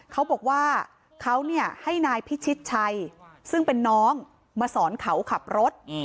เขาบอกว่าเขาให้นายพิชิตชัยซึ่งเป็นน้องมาสอนเขาขับรถ